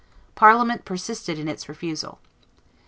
Parliament persisted in its refusal.